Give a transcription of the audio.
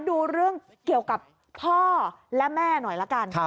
ดูเรื่องเกี่ยวกับพ่อและแม่หน่อยละกัน